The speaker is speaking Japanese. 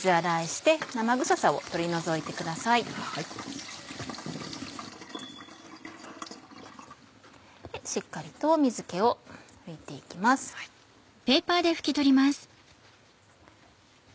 しっかりと水気を抜いて行きます。